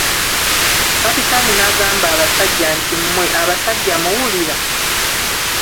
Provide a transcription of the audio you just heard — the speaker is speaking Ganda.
Kapitaani n'agamba abasajja nti mmwe abasajja muwulira?